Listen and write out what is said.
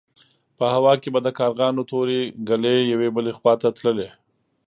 په هوا کې به د کارغانو تورې ګلې يوې بلې خوا ته تللې.